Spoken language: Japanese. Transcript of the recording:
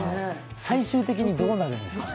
最終的にどうなるんですかね？